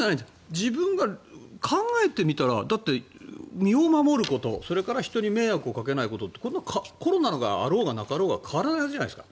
自分が考えてみたらだって、身を守ることそれから人に迷惑をかけないことってコロナがあろうがなかろうが変わらないはずじゃないですか。